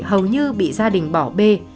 hầu như bị gia đình bỏ bê